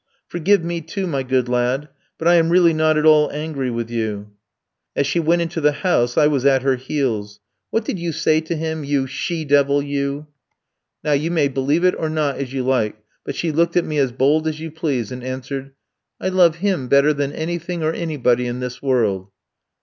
"'Forgive me, too, my good lad; but I am really not at all angry with you.' "As she went into the house I was at her heels. "'What did you say to him, you she devil, you?' "Now you may believe it or not as you like, but she looked at me as bold as you please, and answered: "'I love him better than anything or anybody in this world.'